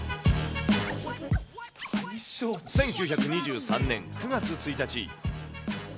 １９２３年９月１日。